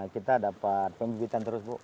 kita dapat pembibitan terus bu